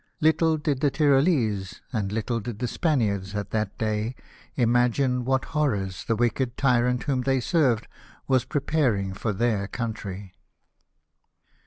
Little did the Tyrolese, and little did the Spaniards, at that day, imagine what horrors the wicked tyrant whom they served was preparing for their country